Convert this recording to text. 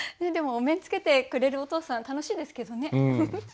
でもお面つけてくれるお父さん楽しいですけどね。